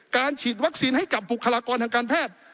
ฉีดวัคซีนให้กับบุคลากรทางการแพทย์